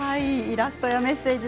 イラストやメッセージ